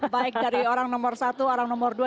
baik dari orang nomor satu orang nomor dua